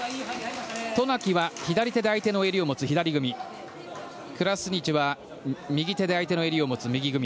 渡名喜は左手で相手の襟を持つ左組みクラスニチは右で相手の襟をつかむ右組み。